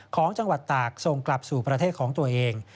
ของจังหวัดตากส่งกลับสู่ประเทศของตัวเอง